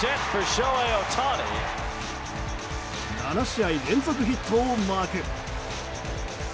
７試合連続ヒットをマーク。